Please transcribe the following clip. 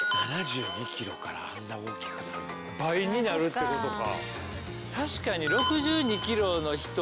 いやでも倍になるってことか。